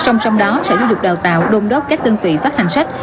song song đó sẽ được đào tạo đôn đốt các tương tự phát hành sách